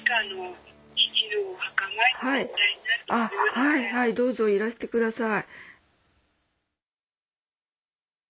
はいはいどうぞいらして下さい。